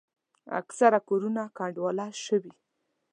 اکثره کورونه کنډواله شوي.